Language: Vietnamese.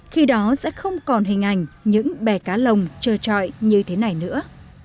khi đó sẽ không còn hình ảnh những bè cá lồng chờ trọi như thế này nữa